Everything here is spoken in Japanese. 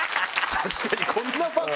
確かにこんな番組。